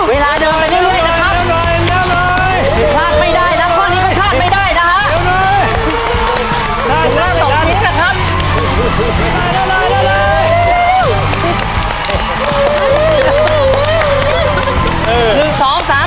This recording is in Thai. เวลาเดินไปลุยแล้วนะครับ